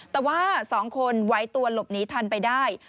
แต่ว่า๒คนไว้ตัวหลบหนีทันไปได้